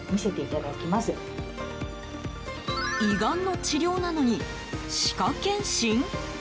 胃がんの治療なのに歯科検診？